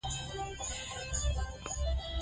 ماري کوري وویل چې دا ماده فعاله ده.